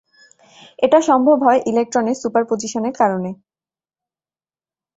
এটা সম্ভব হয় ইলেকট্রনের সুপার পজিশনের কারণে।